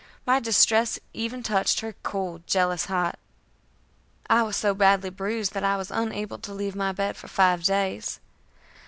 My distress even touched her cold, jealous heart. I was so badly bruised that I was unable to leave my bed for five days.